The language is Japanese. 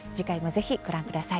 ぜひご覧ください。